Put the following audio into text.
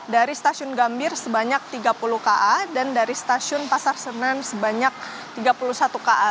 dari stasiun gambir sebanyak tiga puluh ka dan dari stasiun pasar senen sebanyak tiga puluh satu ka